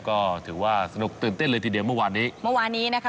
ก็ถือว่าสนุกตื่นเต้นเลยทีเดียวเมื่อวานนี้เมื่อวานนี้นะคะ